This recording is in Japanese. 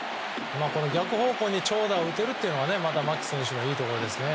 逆方向に長打を打てるというのが牧選手のいいところですね。